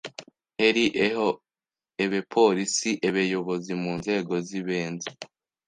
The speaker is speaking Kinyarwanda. heri eho ebepolisi, ebeyobozi mu nzego z’ibenze